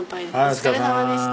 お疲れさまでした。